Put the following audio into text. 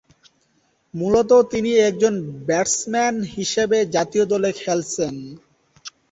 মূলত তিনি একজন ব্যাটসম্যান হিসেবে জাতীয় দলে খেলছেন।